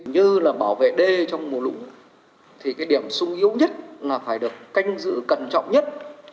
như là bảo vệ đê trong mùa lũ thì cái điểm sung yếu nhất là phải được canh giữ cẩn trọng nhất